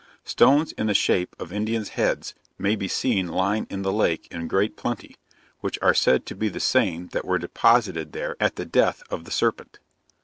Stones in the shape of Indians' heads may be seen lying in the lake in great plenty, which are said to be the same that were deposited there at the death of the serpent.